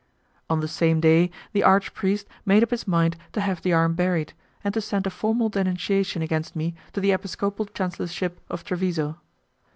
On the same day, the archpriest made up his mind to have the arm buried, and to send a formal denunciation against me to the episcopal chancellorship of Treviso.